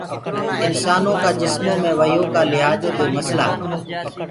انسانآ ڪآ جسمو مينٚ وهيو ڪآ لِهآجو دي مسلآ۔